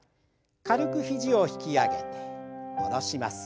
軽く肘を引き上げて下ろします。